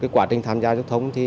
quá trình tham gia giao thông